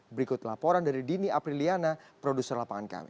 berikut laporan dari dini apriliana produser lapangan kami